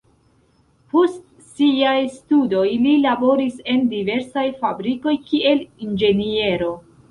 Post siaj studoj li laboris en diversaj fabrikoj kiel inĝeniero.